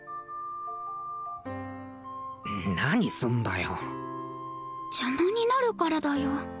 何すんだよ邪魔になるからだよ